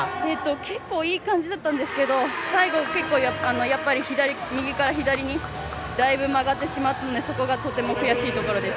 結構いい感じでしたが右から左にだいぶ曲がってしまったのでそこがとても悔しいところです。